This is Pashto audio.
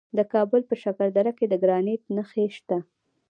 د کابل په شکردره کې د ګرانیټ نښې شته.